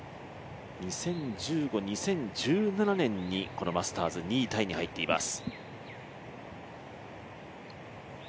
２０１５、２０１７年にマスターズ２位タイに入っています。